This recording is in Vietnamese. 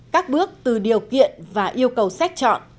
các bước từ điều kiện và yêu cầu xét chọn